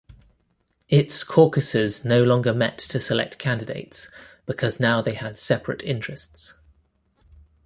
Its caucuses no longer met to select candidates because now they had separate interests.